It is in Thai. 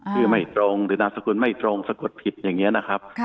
คือไม่ตรงหรือนามสกุลไม่ตรงสะกดผิดอย่างนี้นะครับ